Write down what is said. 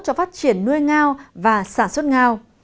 cho phát triển nuôi ngao và sản xuất ngao